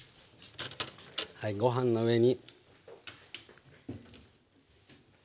はいご飯の上に。